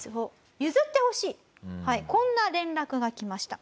こんな連絡が来ました。